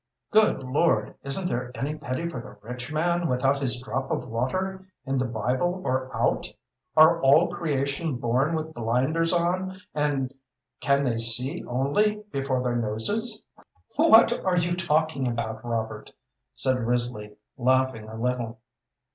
Good Lord, isn't there any pity for the rich man without his drop of water, in the Bible or out? Are all creation born with blinders on, and can they only see before their noses?" "What are you talking about, Robert?" said Risley, laughing a little.